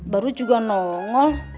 baru juga nongol